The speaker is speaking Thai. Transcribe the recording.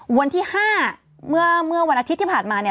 วันที่๕เมื่อวันอาทิตย์ที่ผ่านมาเนี่ย